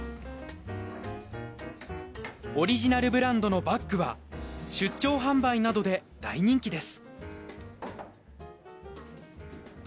オリジナルブランドのバッグは出張販売などで大人気です。